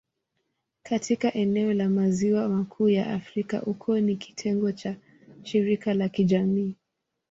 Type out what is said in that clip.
Katika eneo la Maziwa Makuu ya Afrika, ukoo ni kitengo cha shirika la kijamii.